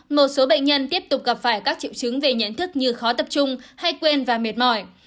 một số bệnh nhân tiếp tục gặp phải các triệu chứng về nhận thức như khó tập trung hay quên và mệt mỏi